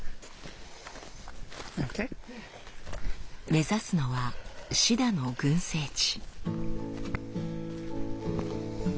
目指すのはシダの群生地。